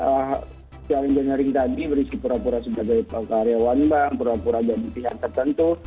social engineering tadi berisi pura pura sebagai paka area wanbang pura pura bagian pihak tertentu